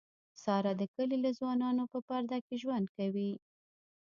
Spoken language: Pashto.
ساره له د کلي له ځوانانونه په پرده کې ژوند کوي.